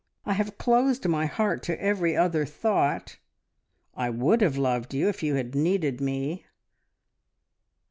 I have closed my heart to every other thought. I would have loved you if you had needed me.